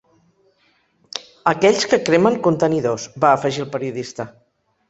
Aquells que cremen contenidors, va afegir el periodista.